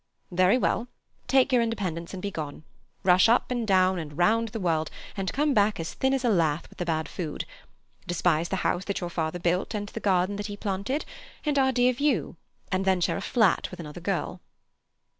"Very well. Take your independence and be gone. Rush up and down and round the world, and come back as thin as a lath with the bad food. Despise the house that your father built and the garden that he planted, and our dear view—and then share a flat with another girl."